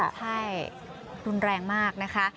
ใช่รุนแรงมากนะคะ